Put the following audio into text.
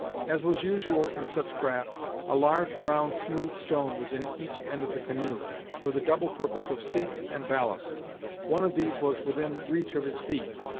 As was usual in such craft, a large, round, smooth stone was in each end of the canoe, for the double purpose of seats and ballast; one of these was within reach of his feet.